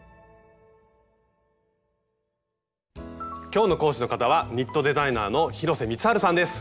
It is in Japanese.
今日の講師の方はニットデザイナーの広瀬光治さんです。